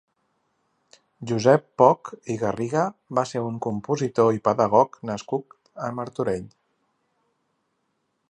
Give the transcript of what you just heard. Josep Poch i Garriga va ser un compositor i pedagog nascut a Martorell.